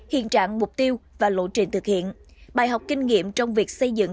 hiện trạng mục tiêu và lộ trình thực hiện bài học kinh nghiệm trong việc xây dựng